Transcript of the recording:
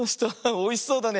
おいしそうだね。